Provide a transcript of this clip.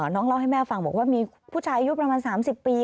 น้องเล่าให้แม่ฟังบอกว่ามีผู้ชายอายุประมาณ๓๐ปี